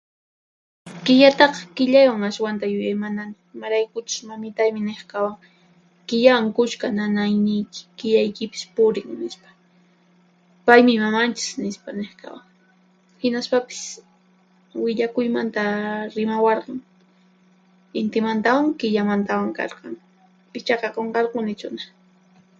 "Killataqa killaywan ashwanta yuyaymanani, imaraykuchus mamitaymi niq kawan: ""killawan kushka nanayniyki, killaykipis purin"" nispa. ""Paymi mamanchis"", nispa niq kawan. Hinaspapis willakuymanta rimawarqan, intimantawan killamantawan karqan, ichaqa qunqarquni chuna."